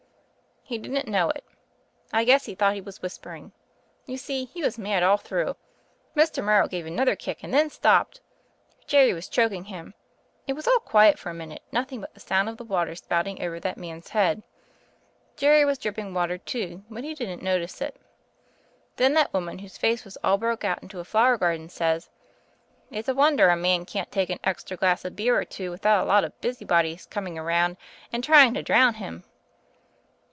He didn't know it. I guess he thought he was whispering. You see, he was mad all through. Mr. Morrow gave another kick and then stopped I Jerry was choking him. It was all quiet for a minute — nothing but the sound of the water spouting THE FAIRY OF THE SNOWS 6i over that man's head. Jerry was dripping water, too; but he didn't notice it. Then that woman whose face was all broke out into a flower garden says, *It's a wonder a man can't take an extra glass of beer or two without a lot of busy bodies coming around and trying to drown him.'